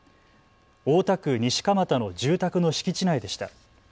大田区西蒲田の住宅の敷地内でした。